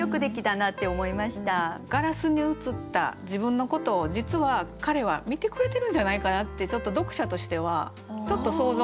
ガラスに映った自分のことを実は彼は見てくれてるんじゃないかなってちょっと読者としては想像もしました。